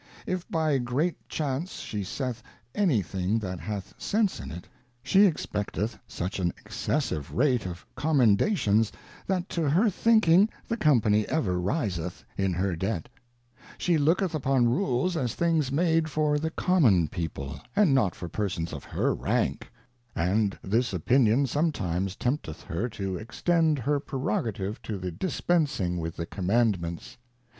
If by great chance she saith any thing that hath sence in it, she expecteth such an Excessive rate of Commendations, that to her thinking 40 Advice to a Daughter thinking the Company ever riseth in her Debt She looketh upon Rules as things made for the common People, and not for Persons of her Rank ; and this Opinion sometimes tempteth her to Extend her Prerogative to the dispencing with the command ments.